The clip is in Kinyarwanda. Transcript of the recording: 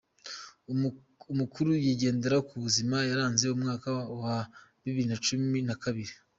Amakuru y’ingenzi ku buzima yaranze umwaka wa bibiri nacumi nakabiri